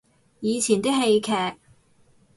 以前啲戲劇